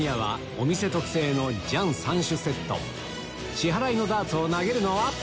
支払いのダーツを投げるのは？